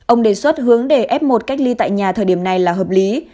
ông đề xuất hướng để f một cách ly tại nhà thời điểm này là hợp lý